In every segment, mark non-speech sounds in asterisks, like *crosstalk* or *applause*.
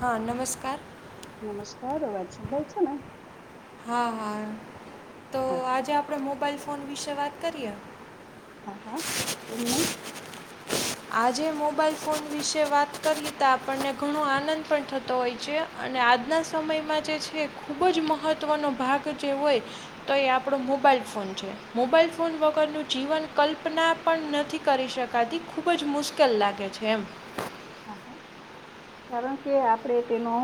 હા નમસ્કાર. નમસ્કાર અવાજ સંભળાય છે ને? આહા. તો હા હા આજે આપડે મોબાઈલ ફોન વિશે વાત કરએ. હા હા કેમ નય આજે મોબાઈલ ફોન વિશે વાત કરીએ તો આપણને ઘણો આનંદ પણ થતો હોય છે અને આજના સમયમાં જે છે ખૂબ જ મહત્ત્વનો ભાગ જે હોય તો એ આપડો મોબાઈલ ફોન છે મોબાઈલ ફોન વગરનું જીવન કલ્પના પણ નથી કરી શકાતી. ખૂબ જ મુશ્કેલ લાગે છે એમ હા કારણ કે આપડે તેનો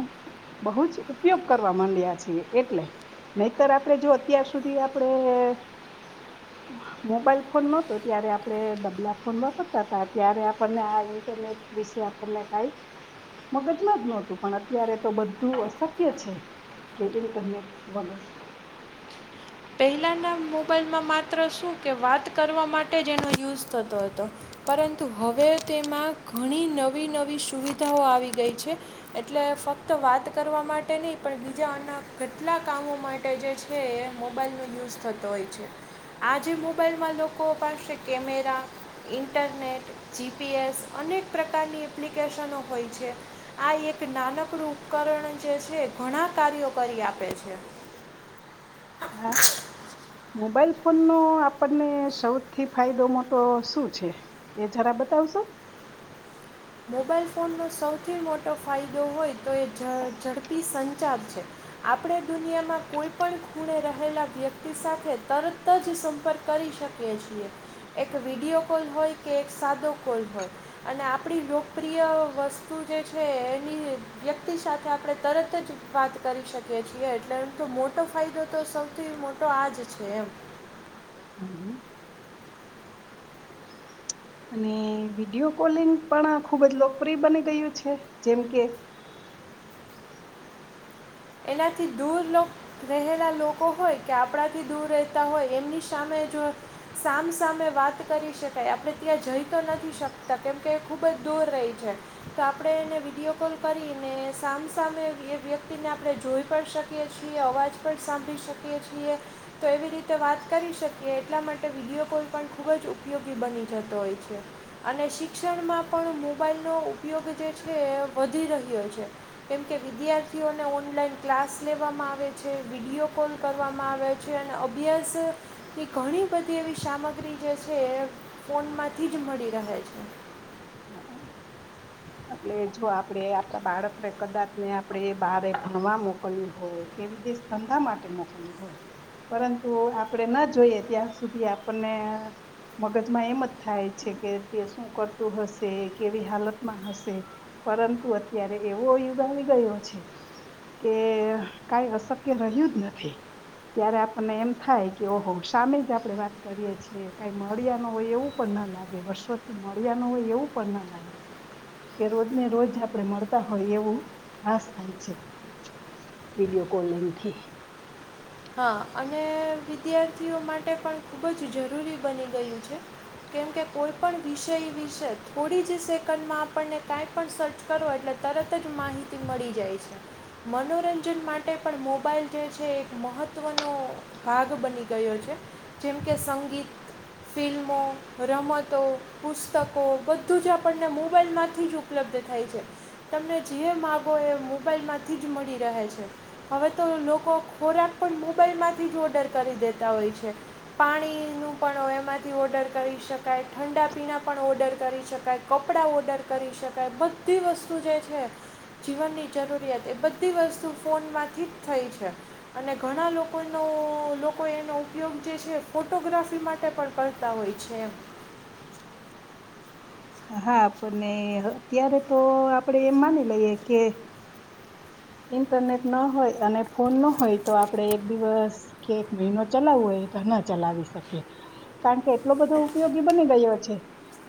બહુ જ ઉપયોગ કરવા માંડ્યા છીએ એટલે નહીતર આપડે જો અત્યાર સુધી આપડે મોબાઈલ ફોન નહતો ત્યારે આપડે ડબલા ફોન વાપરતા હતા ત્યારે આપણને આ ઇન્ટરનેટ વિશે આપણને કઈ મગજમાં જ નહતું પણ અત્યારે તો બધું અશક્ય છે કે ઇન્ટરનેટ વગર. પહેલાંના મોબાઈલમાં માત્ર શું કે વાત કરવા માટે જ એનો યુઝ થતો હતો પરંતુ હવે તેમાં ઘણી નવી નવી સુવિધાઓ આવી ગઈ છે એટલે ફક્ત વાત કરવા માટે નહીં પણ બીજાના કેટલા કામો માટે જે છે એ મોબાઈલનો યુઝ થતો હોય છે આ જેે મોબાઈલમાં લોકો પાસે કેમેરા, ઇન્ટરનેટ, જીપીએસ અનેક પ્રકારની એપ્લિકેશનો હોય છે. આ એક નાનકડું ઉપકરણ જે છે ઘણા કાર્યો કરી આપે છે. હા *inaudible* મોબાઈલ ફોનનો આપણને સૌથી ફાયદો મોટો શું છે એ જરા બતાવશો? મોબાઈલ ફોનનો સૌથી મોટો ફાયદો હોય તો એ ઝ ઝડપી સન ચાર છે આપણે દુનિયામાં કોઈ પણ ખૂણે રહેલા વ્યક્તિ સાથે તરત જ સંપર્ક કરી શકીએ છીએ. એક વિડીયો કોલ હોય કે એક સાદો કોલ હોય અને આપ પડી લોકપ્રિય વસ્તુ જે છે એની વ્યક્તિ સાથે આપડે તરત જ વાત કરી શકીએ છીએ એટલે એમ તો મોટો ફાયદો તો સૌથી મોટો આજ છે એમ હમ હમ. અને વિડીયો કોલિંગ પણ ખૂબ જ લોકપ્રિય બની ગયું છે જેમ કે એનાથી દૂર રહેલા લોકો હોય કે આપણાથી દૂર રહેતા હોય એમની સામે જો સામસામે વાત કરી શકાય આપડે ત્યાં જઈ તો નથી શકતા કેમકે એ ખુબ જ દૂર રહી છે તો આપડે એને વિડીયો કોલ કરીને સામસામે એ વ્યક્તિને આપડે જોઈ પણ શકીએ છીએ અવાજ પણ સાંભળી શકીએ છીએ તો એવી રીતે વાત કરી શકીએ એટલા માટે વિડીયો કોલ પણ ખૂબ જ ઉપયોગી બની જતો હોય છે અને શિક્ષણમાં પણ મોબાઈલનો ઉપયોગ જે છે વધી રહ્યો છે કેમકે વિદ્યાર્થીઓને ઓનલાઈન ક્લાસ લેવામાં આવે છે વિડીયો કોલ કરવામાં આવે છે અને અભ્યાસની ઘણી બધી એવી સામગ્રી જે છે એ ફોનમાંથી જ મળી રહે છે. હ એટલે જો આપડે આપડા બાળકને કદાચ ને આપડે એ બારે ભણવા મોકલ્યું હોય કેવી દેશ ધંધા માટે મોકલ્યું હોય પરંતુ આપડે ન જોઈએ ત્યાં સુધી આપણને મગજમાં એમ જ થાય છે કે તે શું કર હ કેવી હાલતમાં હશે પરંતુ અત્યારે એવો યુગ આવી ગયો છે કે કઈ અશક્ય રહ્યું જ નથી ત્યારે આપણને એમ થાય કે ઓહો સામે જ આપડે વાત કરીય છીએ કઈ મળ્યા ન હોય એવું પણ ના લાગે વર્ષોથી ત્યારનું હોય એવું પણ ના લાગે કે રોજને રોજ આપડે મળતા હોય એવું ભાશ થાય છે વિડીયો કોલિંગથી. હા અને વિદ્યાર્થીઓ માટે પણ ખૂબ જ જરૂરી બની ગયું છે કેમ કે કોઈ પણ વિષય વિશે થોડી જ સેકન્ડમાં આપણને કાંઈ પણ સર્ચ કરો એટલે તરત જ માહિતી મળી જાય છે મનોરંજન માટે પણ મોબાઈલ જે છે એ મહત્ત્વનો ભાગ બની ગયો છે જેમ કે સંગીત, ફિલ્મો, રમતો, પુસ્તકો બધું જ આપણને મોબાઈલમાંથી જ ઉપલબ્ધ થાય છે તમને જે માગો એ મોબાઈલમાંથી જ મળી રહે છે હવે તો લોકો ખોરાક પણ મોબાઈલમાંથી જ ઓડર કરી દેતા હોય છે. પાણીનું પણ એમાંથી ઓડર કરી શકાય, ઠંડા પીણા પણ ઓર્ડર કરી શકાય, કપડાં ઓડર કરી શકાય, બધી વસ્તુ જે છે જીવનની જરૂરિયાત એ બધી વસ્તુ ફોનમાંથી જ થઈ છે. અને ઘણા લોકોનો લોકો એનો ઉપયોગ જે છે ફોટોગ્રાફી માટે પણ કરતા હોય છે એમ. હા હા આપને અત્યારે તો આપડે એમ માની લઈએ કે ઇન્ટરનેટ ના હોય અને ફોન ના હોય તો આપડે એક દિવસ કે એક મહિનો ચલાવવો હોય તો ના ચલાવી શકીએ કારણ કે એટલો બધો ઉપયોગી બની ગયો છે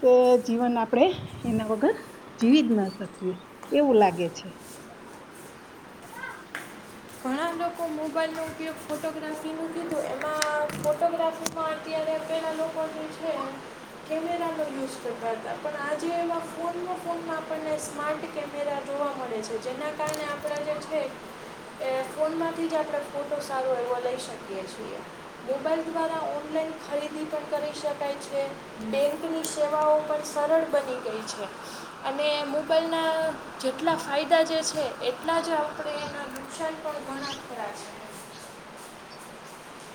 કે જીવન આપણે એના વગર જીવી જ ના શકીએ એવું લાગે છે. કો મોબાઈલનો ઉપયોગ ફોટોગ્રાફીનું કીધું એમાં ફોટોગ્રાફીમાં અત્યારે પેલાં લોકો જે છે કેમેરાનો યુઝ કરતા હતા પણ આજે એવા ફોનમાં ફોનમાં આપણને સ્માર્ટ કેમેરા જોવા મળે છે જેના કારણે આપણા જે છે એ ફોનમાં થી જ આપણે ફોટો સારો એવો લઈ શકીએ છીએ મોબાઈલ દ્વારા ઓનલાઈન ખરીદી પણ કરી શકાય છે બેંકની સેવાઓ પણ સરળ બની ગઈ છે અને મોબાઈલના જેટલા ફાયદા જે છે એટલા જ આપણે એના નુકસાન પણ ઘણા કરા છે ને.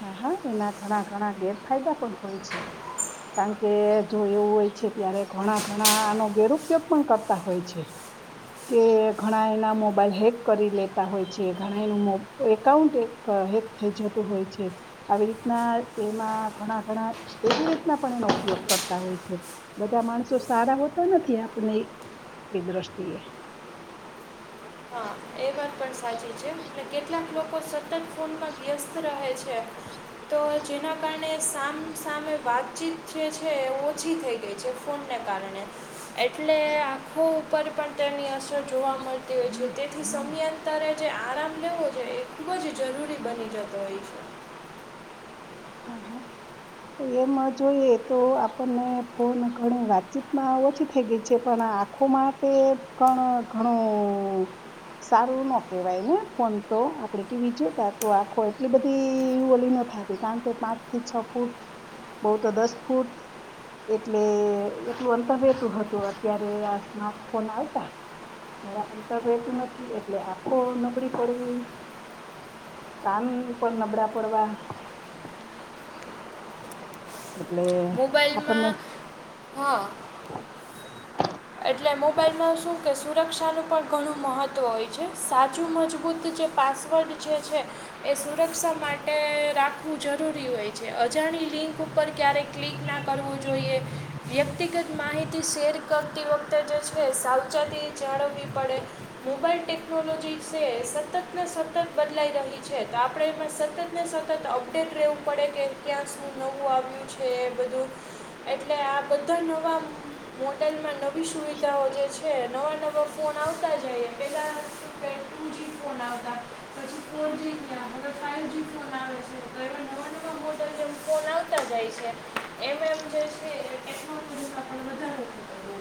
હા હા એના ઘણા ઘણા ગેરફાયદા પણ હોય છે કારણ કે જો એવું હોય છે ત્યારે ઘણા ઘણા આનો ગેરઉપયોગ પણ કરતા હોય છે કે ઘણા એના મોબાઈલ હેક કરી લેતા હોય છે ઘણા એનું એકાઉન્ટ હેક થઈ જતું હોય છે. તે આવી રીતના એમાં ઘણા ઘણા એવી રીતના પણ એનો ઉપયોગ કરતા હોય છે બધા માણસો સારા હોતા નથી આપની એ દ્રષ્ટિએ. હા એ વાત પણ સાચી છે અને કેટલાક લોકો સતત ફોનમાં વ્યસ્ત રહે છે તો જેના કારણે સામ સામે વાતચીત જે છે એ ઓછી થઈ ગઈ છે ફોનને કારણે. એટલે આખું પર પણ તેની અસર જોવા મળતી હોય છે તે થી સમયાંતરે જે આરામ લેવો જોઈએ ખૂબ જ જરૂરી બની જતો હોય છે. હા હા એમ જોઈએ તો આપણને ફોન ઘણી વાતચીતમાં ઓછી થઈ ગઈ છે પણ આંખો માટે પણ ઘણું સારું ન કેવાય ને ફોન તો આપડે ટીવી જોતા તો આખો એટલી બધી ઓલી ન થાતી. કારણ કે પાંચ થી છ ફૂટ બઉ તો દસ ફૂટ એટલે એટલું અંતર રતું હતું અત્યારે આ સ્માર્ટ ફોન આવતા અંતર રતું નથી એટલે આંખો નબળી પડવી કાન પણ નબળા પડવા એટલે આપણને મોબાઈલમાં હા એટલે મોબાઈલમાં શું કે સુરક્ષાનું પણ ઘણું મહત્વ હોય છે સાચું મજબૂત જે પાસવર્ડ જે છે એ સુરક્ષા માટે તા ું જરૂરી હોય છે અજાણી લિંક ઉપર ક્યારેય ક્લિક ના કરવું જોઈએ વ્યક્તિગત માહિતી શેર કર આવતી વખતે જે છે સાવચાતી જાળવવી પડે મોબાઈલ ટેકનોલોજી છે સતત ને સતત બદલાઈ રહી છે તો આપણે એમાં સતત ને સતત અપડેટ રહેવું પડે કે ક્યાં શું નવું આવ્યું છે એ બધું એટલે આ બધા નવા મોડલમાં નવી સુવિધાઓ જે છે નવા નવા ફોન આવતા જઈએ પહેલાં ટુ જી ફોન આવતા પછી ફોર જી ગયાં હ ફાઇવ જી ફોન આવે છે તો એમાં નવા નવા મોડલ જેમ ફોન આવતા જાય છે એમ એમ જે છે એ ટેકનોલોજી વધાર થ હો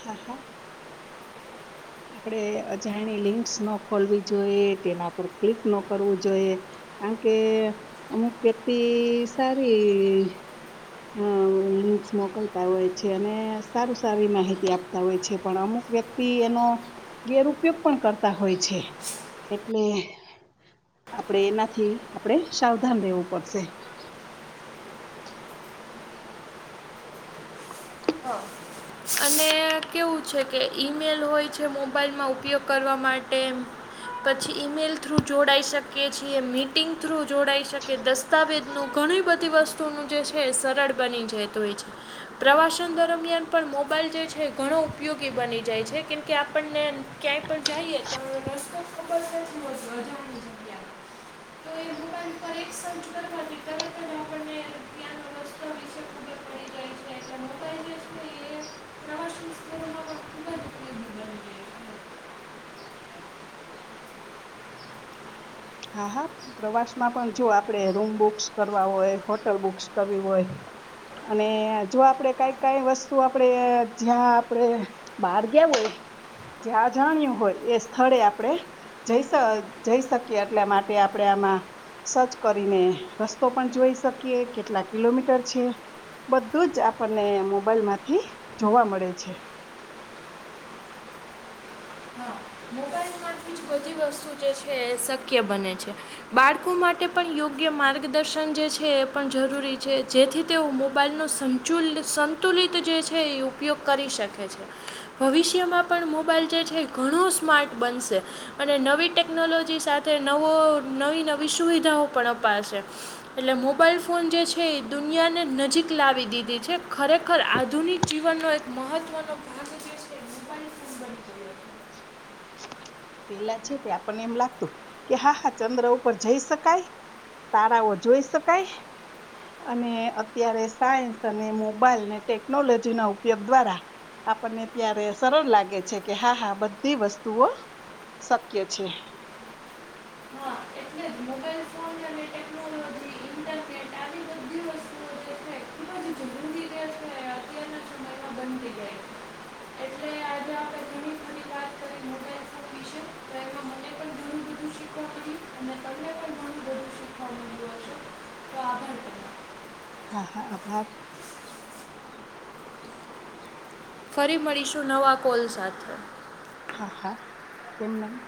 હા હા આપણે અજાણી લિંક્સ ન ખોલવી જોઈએ તેના પર ક્લિક ન કરવું જોઈએ કારણ કે અમુક વ્યક્તિ સારી અ લિંક્સ મોકલતા હોય છે અને સારું સારી માહિતી આપતા હોય છે પણ અમુક વ્યક્તિ એનો ગેરપયોગ પણ કરતા હોય છે એટલે આપણેે એનાથી આપણેે સાવધાન રહેેવું પડશે અને કેવું છે કે ઈમેલ હોય છે મોબાઈલમાં ઉપયોગ કરવા માટે પછી ઈમેઈલ થ્રુ જોડાઈ શકે કે છી મીટિંગ થ્રુ જોડાઈ શકે દસ દસ્તાવેજનું ઘણી બધી વસ્તુ જે છે સરળ બની જાયું હોય છે પ્રવાસ દરમિયાન પણ મોબાઈલ જે છે ઘણો ઉપયોગી બની જાય છે કેમકે આપણને ક્યાંય પણ જઈએ તો રસ્તો મોબાઈલ જે છે એ પ્રવાસન સ્થળોમાં પણ ખૂબ જ ઉપયોગી બની જાય છે હા હા પ્રવાસ માં પણ જો આપણે રૂમ બુક્સ કરવા હોય હોટલ બુક્સ કરવી હોય અને જો આપડે કઈ કઈ વસ્તુ આપણે જ્યાં આપણે બહાર ગવું હોય જ્યાં જાણ્યું હોય એ સ્થળે આપડણે જ જઈ શ કે એટલા માટે આપણે આમાં સર્ચ કરીને રસ્તો પણ જોઈ શકીએ કેટલા કિલોમીટર છે બધું જ આપણને મોબાઈલ માંથી જોવા મળે છે હા મોબાઈલમાંથી જ બધી વસ્તુ જે છે એ શક્ય બને છે બાળકો માટે પણ યોગ્ય માર્ગદર્શન જે છે એ પણ જરૂરી છે જેથી તેઓ મોબાઈલનો સચુલ સંતુલિત જે છે એ ઉપયોગ કરી શકે છે ભવિષ્યમાં પણ મોબાઈલ જે છે ઘણો સ્માર્ટ બનશે અને નવી ટેકનોલોજી સાથે નવો નવી નવી સુવિધાઓ પણ અપાશે એટલે મોબાઈલ ફોન જે છે એ દુનિયાને નજીક લાવી દીધી છે ખરેખર આધુનિક જીવનનો એક મહત્ત્વનો ભાગ જે છે એ મોબાઈલ ફોન બની પેલા આપણને એમ લાગતું કે હા હા ચંદ્ર ઉપર જઈ શકાય તારાઓ જોઈ શકાય અને અત્યારે સાયન્સ અને મોબાઈલને ટેકનોલોજી ના ઉપયોગ દ્વારા આપણને ત્યારે સરળ લાગે છે કે હા હા બધી વસ્તુઓ શક્ય છે હા એટલે જ મોબાઈલ ફોન અને ટેકનોલોજી ઇન્ટરનેટ આવી બધી વસ્તુઓ જે છે ખૂબ જ જરૂરી જે છે એ અત્યારના સમયમાં બનતી ગઈ એટલે આજે આપણે ઘણી ખરી વાત કરી મોબાઈલ ફોન વિશે તો એમાં મને પણ ઘણું બધું શીખવા મળ્યું અને તમને પણ ઘણું બધું શીખવા મળ્યું હશે તો આભાર તમારો હા હા આભાર ફરી મળીશું નવા કોલ સાથે હા હા કેમ નહી